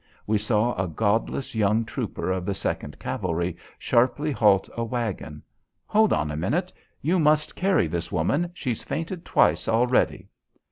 We saw a godless young trooper of the Second Cavalry sharply halt a waggon. "Hold on a minute. You must carry this woman. She's fainted twice already."